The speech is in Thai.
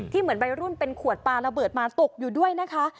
เหมือนวัยรุ่นเป็นขวดปลาระเบิดมาตกอยู่ด้วยนะคะ